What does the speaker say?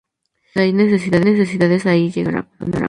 Donde hay que necesidades allí llegaba Antonio Aragón.